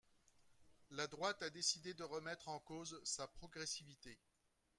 La droite a décidé de remettre en cause sa progressivité.